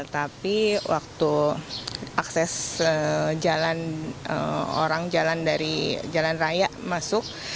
tapi waktu akses jalan orang jalan dari jalan raya masuk